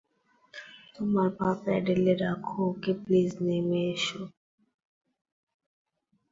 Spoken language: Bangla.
তোমার পা প্যাডেলে রাখো ওকে প্লিজ নেমে এসো।